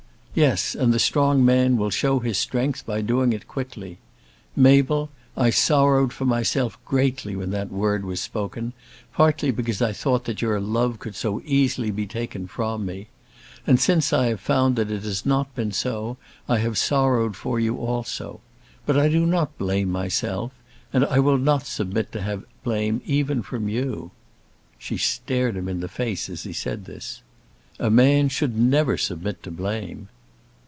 "Yes; and the strong man will show his strength by doing it quickly. Mabel, I sorrowed for myself greatly when that word was spoken, partly because I thought that your love could so easily be taken from me. And, since I have found that it has not been so, I have sorrowed for you also. But I do not blame myself, and and I will not submit to have blame even from you." She stared him in the face as he said this. "A man should never submit to blame."